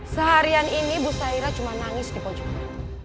seharian ini bu saira cuma nangis di pojoknya